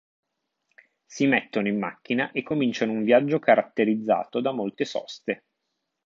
Si mettono in macchina e cominciano un viaggio caratterizzato da molte soste.